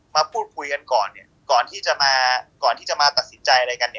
เมื่อพูดคุยกันก่อนก่อนที่จะมาตัดสินใจอะไรกัน